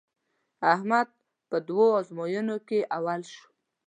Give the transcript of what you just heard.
احمد په دوو ازموینو کې اول شو.